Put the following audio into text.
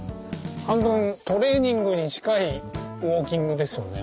半分トレーニングに近いウォーキングですよね